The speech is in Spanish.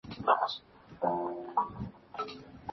La página web está dividida en tres partes.